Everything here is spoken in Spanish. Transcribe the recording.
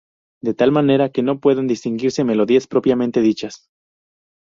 De tal manera, que no pueden distinguirse melodías propiamente dichas.